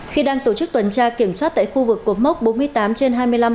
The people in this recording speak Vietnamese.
khi đang tổ chức tuần tra kiểm soát tại khu vực cột mốc bốn mươi tám trên hai mươi năm